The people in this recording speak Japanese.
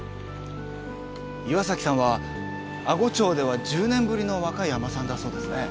岩崎さんは阿児町では１０年ぶりの若い海女さんだそうですね？